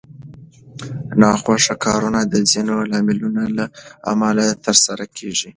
ناخوښ کارونه د ځینو لاملونو له امله ترسره کېږي.